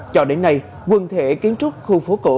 cho đến nay quần thể kiến trúc khu phố cổ